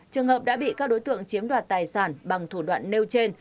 trường hợp đã bị các đối tượng chiếm đoạt tài sản bằng thủ đoạn nêu trên